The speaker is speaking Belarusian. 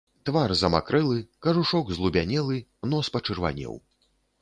Твар замакрэлы, кажушок злубянелы, нос пачырванеў.